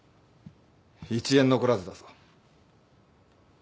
１円残らずだぞ。